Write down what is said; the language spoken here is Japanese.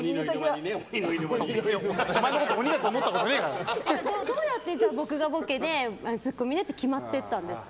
お前のこと鬼だとじゃあ、どうやって僕がボケでツッコミでって決まっていったんですか。